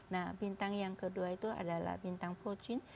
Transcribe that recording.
nah bintang yang kedua itu adalah bintang pocin